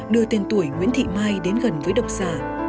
đưa tên tuổi nguyễn thị mai đến gần với độc giả